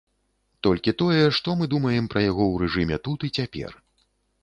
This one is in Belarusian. Толькі тое, што мы думаем пра яго ў рэжыме тут і цяпер.